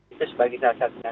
itu sebagai sasarnya